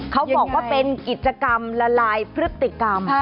เขาบอกว่าเป็นกิจกรรมละลายพฤติกรรม